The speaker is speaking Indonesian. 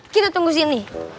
kita tunggu sini